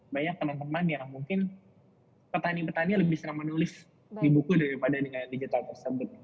banyak teman teman yang mungkin petani petani lebih senang menulis di buku daripada dengan digital tersebut